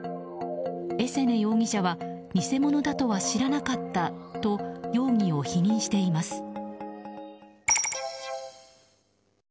エセネ容疑者は偽物だとは知らなかったと容疑を否認しています。